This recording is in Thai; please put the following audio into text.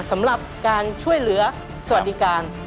สำหรับการช่วยเหลือสวัสดิการ